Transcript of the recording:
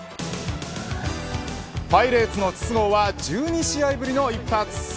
パイレーツの筒香は１２試合ぶりの一発。